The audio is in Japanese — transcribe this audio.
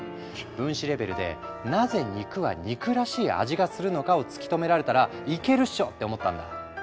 分子レベルでなぜ肉は肉らしい味がするのかを突き止められたらいけるっしょ！って思ったんだ。